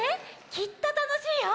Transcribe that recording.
きっとたのしいよ！